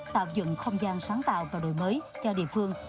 tạo dựng không gian sáng tạo và đổi mới cho địa phương